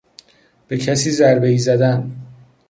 به کسی ضربهای زدن